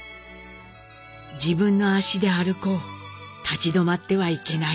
「自分の足で歩こうたち止まってはいけない」。